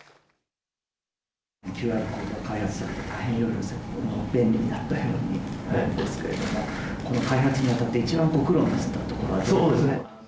ＱＲコードを開発されて、大変便利になったように思いますけれども、この開発にあたって、一番ご苦労なさったところはどこでしょうか。